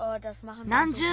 なんじゅう